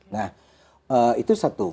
nah itu satu